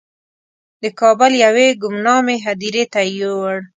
د کابل یوې ګمنامې هدیرې ته یې یووړ.